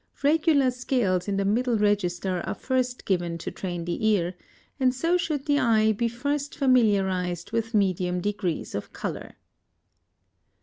Regular scales in the middle register are first given to train the ear, and so should the eye be first familiarized with medium degrees of color.